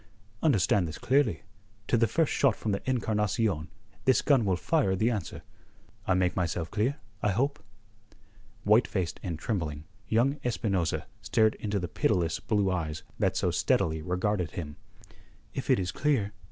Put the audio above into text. "Understand this clearly: to the first shot from the Encarnacion this gun will fire the answer. I make myself clear, I hope?" White faced and trembling, young Espinosa stared into the pitiless blue eyes that so steadily regarded him. "If it is clear?"